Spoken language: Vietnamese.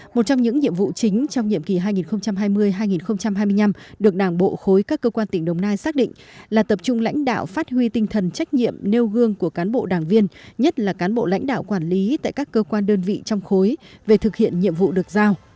một trong những nhiệm vụ chính trong nhiệm kỳ hai nghìn hai mươi hai nghìn hai mươi năm được đảng bộ khối các cơ quan tỉnh đồng nai xác định là tập trung lãnh đạo phát huy tinh thần trách nhiệm nêu gương của cán bộ đảng viên nhất là cán bộ lãnh đạo quản lý tại các cơ quan đơn vị trong khối về thực hiện nhiệm vụ được giao